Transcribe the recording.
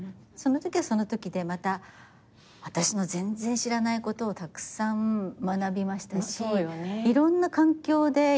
そのときはそのときでまた私の全然知らないことをたくさん学びましたしいろんな環境で